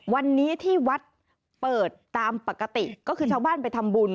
วันนี้ที่วัดเปิดตามปกติก็คือชาวบ้านไปทำบุญ